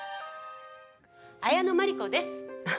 綾野真理子です。